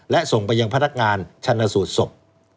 และส่งไปยังพนักงานชนะสูดสบ